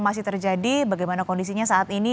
masih terjadi bagaimana kondisinya saat ini